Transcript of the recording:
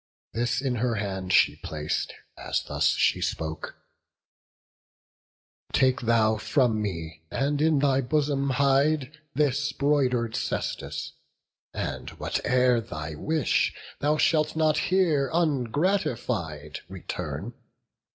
This in her hand she plac'd, as thus she spoke: "Take thou from me, and in thy bosom hide, This broider'd cestus; and, whate'er thy wish, Thou shalt not here ungratified return."